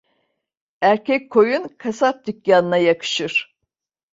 Erkek koyun kasap dükkanına yakışır.